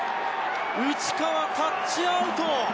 内川、タッチアウト。